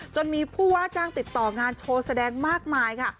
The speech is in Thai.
จนมีผู้ว่าจ้างติดต่องานโชว์แสดงมากมายค่ะ